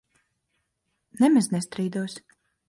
Nemaz nestrīdos.